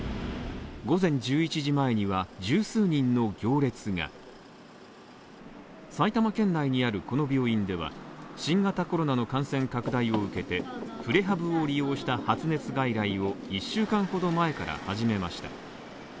午前１１時前には十数人の行列が埼玉県内にあるこの病院では新型コロナの感染拡大を受けて、プレハブを利用した発熱外来を１週間ほど前から始めました。